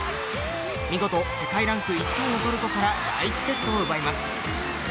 見事、世界ランク１位のトルコから第１セットを奪います。